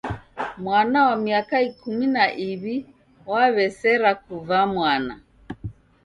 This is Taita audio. Mwana wa miaka ikumi na iw'i waw'esera kuva mwana!